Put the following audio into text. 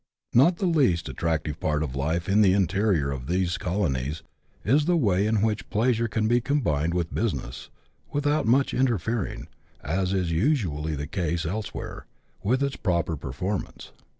Not the least attractive part of life in the interior of these colonies is the way in which pleasure can be combined with business, without much interfering, as is usually the case else where, with its proper performance.